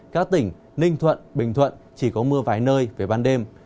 các tỉnh ninh thuận bình thuận chỉ có mưa vài nơi về ban đêm